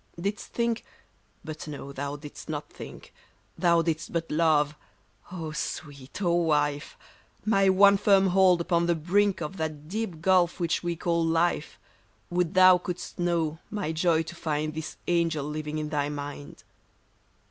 40 THREE LETTERS. Didst think— but no, thou drdst not think — Thou didst but love ! O sweet ! O wife ! My one firm hold upon the brink Of that deep gulf which we call life, Would thou couldst know my joy to find This angel living in thy mind.